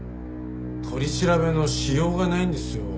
取り調べのしようがないんですよ。